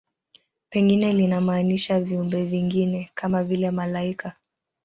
Pengine linamaanisha viumbe vingine, kama vile malaika.